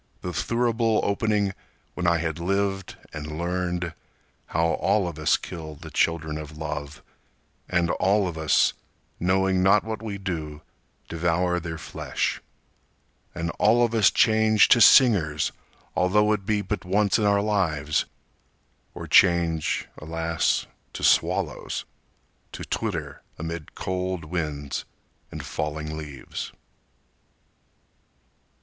The thurible opening when I had lived and learned How all of us kill the children of love, and all of us, Knowing not what we do, devour their flesh; And all of us change to singers, although it be But once in our lives, or change—alas!—to swallows, To twitter amid cold winds and falling leaves!